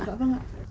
dạ vâng ạ